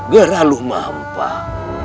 ger aluh mampak